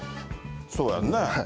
そうやんね。